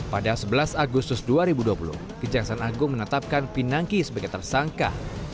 pada sebelas agustus dua ribu dua puluh kejaksaan agung menetapkan pinangki sebagai tersangka